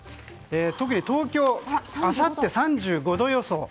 特に東京、あさって３５度予想。